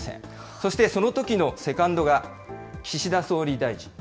そしてそのときのセカンドが、岸田総理大臣。